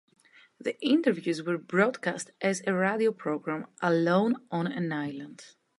The interviews were broadcast as a radio programme, "Alone On An Island".